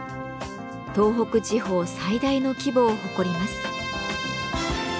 東北地方最大の規模を誇ります。